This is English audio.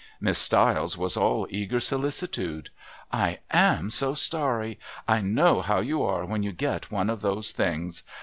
Miss Stiles was all eager solicitude. "I am so sorry. I know how you are when you get one of those things.